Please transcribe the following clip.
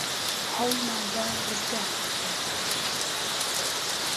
هەوڵمان دا ڕزگاری بکەین.